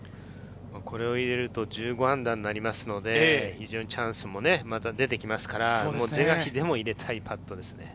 これを入れると、−１５になりますので、非常にチャンスも出てきますから是が非でも入れたいパットですね。